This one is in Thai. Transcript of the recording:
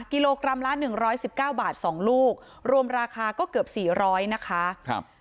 กิโลกรัมละหนึ่งร้อยสิบเก้าบาทสองลูกรวมราคาก็เกือบสี่ร้อยนะคะครับ